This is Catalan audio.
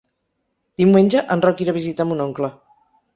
Diumenge en Roc irà a visitar mon oncle.